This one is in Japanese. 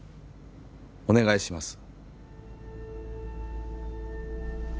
お願いします